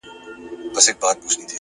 هره بریا د هڅو پایله ده.